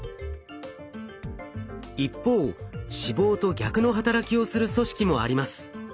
一方脂肪と逆の働きをする組織もあります。